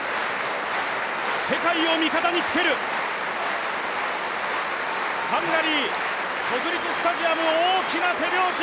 世界を味方につける、ハンガリー国立スタジアムは大きな手拍子。